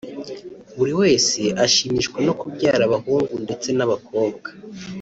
buri wese ashimishwa no kubyara bahungu ndetse n'abakobwa